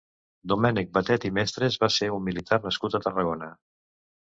Domènec Batet i Mestres va ser un militar nascut a Tarragona.